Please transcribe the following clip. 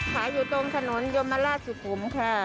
ขายอยู่ตรงถนนยมมาราชศุกรุมค่ะ